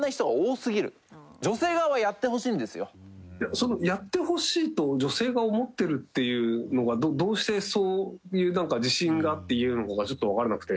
そのやってほしいと女性が思ってるっていうのがどうしてそういう自信があって言えるのかがちょっとわからなくて。